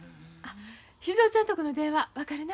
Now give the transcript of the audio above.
静尾ちゃんとこの電話分かるな？